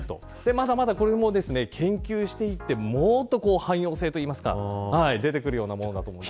まだまだこれも研究していってもっと汎用性というか出てくるようなものだと思います。